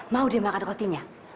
mau dia makan rotinya